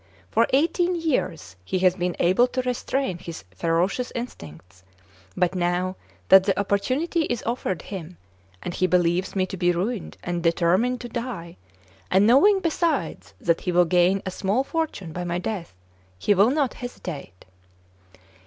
For eighteen years he has been able to restrain his ferocious instincts ; but now that the opportunity is offered him, and he believes me to be ruined and determined to die, and knowing besides that he will gain a small fortune by my death, he will not hesitate."